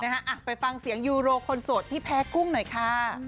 อ่ะไปฟังเสียงยูโรคนโสดที่แพ้กุ้งหน่อยค่ะ